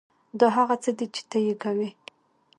دا هغه څه دي چې ته یې کوې